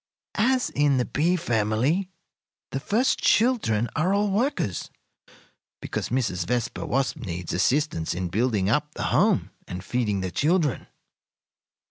"As in the bee family, the first children are all workers, because Mrs. Vespa Wasp needs assistance in building up the home and feeding the children.